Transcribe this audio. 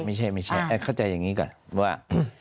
ไม่ใช่ข้อใจอย่างนี้ก่อนว่า